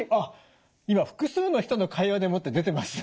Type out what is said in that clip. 今「複数の人の会話でも」って出てます。